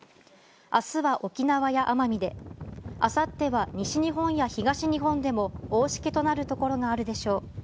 明日は沖縄や奄美であさっては西日本や東日本でも大しけとなるところがあるでしょう。